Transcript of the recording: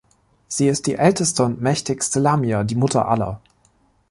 Sie ist die älteste und mächtigste Lamia, die Mutter aller.